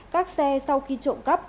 các xe sau khi trộm cắp